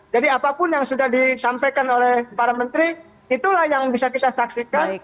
jadi apapun yang sudah disampaikan oleh para menteri itulah yang bisa kita saksikan